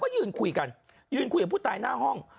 ก็ยืนคุยกันยืนคุยกับผู้ตายหน้าห้อง